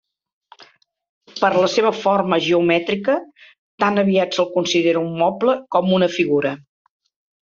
Per la seva forma geomètrica, tan aviat se'l considera un moble com una figura.